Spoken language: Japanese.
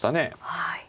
はい。